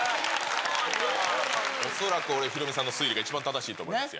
恐らく俺、ヒロミさんの推理が一番正しいと思いますよ。